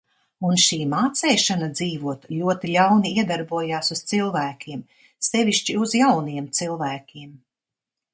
"Un šī "mācēšana" dzīvot ļoti ļauni iedarbojās uz cilvēkiem, sevišķi uz jauniem cilvēkiem."